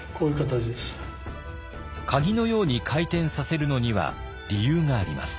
鍵のように回転させるのには理由があります。